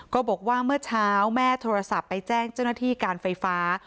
บอกว่าเมื่อเช้าแม่โทรศัพท์ไปแจ้งเจ้าหน้าที่การไฟฟ้า